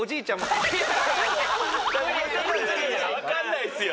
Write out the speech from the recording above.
わかんないっすよ